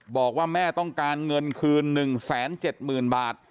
บอกว่าแม่ต้องการเงินคืน๑๗๐๐๐บาท